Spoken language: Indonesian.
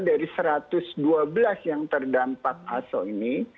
dari satu ratus dua belas yang terdampak aso ini